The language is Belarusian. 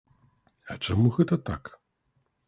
А чаму гэта так?